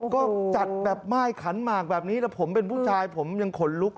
ก็จัดแบบม่ายขันหมากแบบนี้แล้วผมเป็นผู้ชายผมยังขนลุก